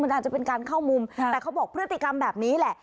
มันอาจจะเป็นการเข้ามุมแต่เขาบอกพฤติกรรมแบบนี้แหละ